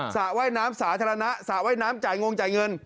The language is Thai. ระว่ายน้ำสาธารณะสระว่ายน้ำจ่ายงงจ่ายเงิน